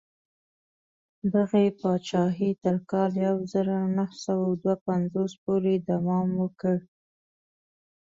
دغې پاچاهۍ تر کال یو زر نهه سوه دوه پنځوس پورې دوام وکړ.